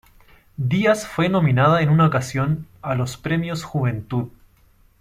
Díaz fue nominada en una ocasión a los Premios Juventud.